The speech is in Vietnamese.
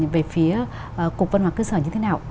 về phía cục văn hóa cơ sở như thế nào